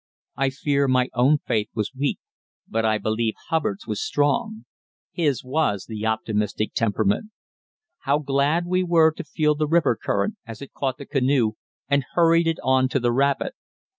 I fear my own faith was weak, but I believe Hubbard's was strong his was the optimistic temperament. How glad we were to feel the river current as it caught the canoe and hurried it on to the rapid!